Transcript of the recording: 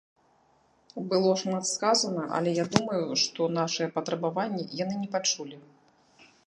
Было шмат сказана, але я думаю, што нашыя патрабаванні яны не пачулі.